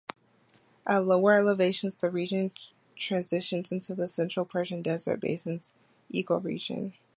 At lower elevations the region transitions into the Central Persian desert basins ecoregion.